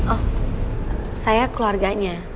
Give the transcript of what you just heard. oh saya keluarganya